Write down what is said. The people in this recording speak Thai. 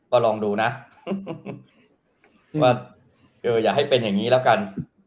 ก็ลองดูนะว่าเอออย่าให้เป็นอย่างนี้แล้วกัน